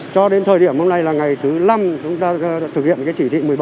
cho đến thời điểm hôm nay là ngày thứ năm chúng ta thực hiện cái chỉ thị một mươi bảy